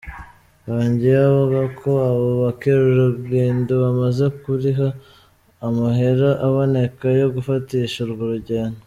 Yongeye avuga ko abo bakerarugendo "bamaze kuriha amahera aboneka yo gufatisha urwo rugendo".